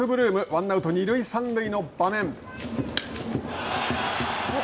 ワンアウト、二塁三塁の場面。